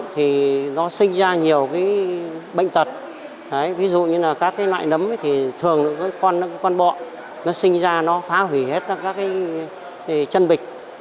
thì nó sinh ra nhiều bệnh tật ví dụ như các loại nấm thì thường con bọ sinh ra nó phá hủy hết các chân bịch